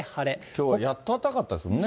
きょうはやっとあったかかったですもんね。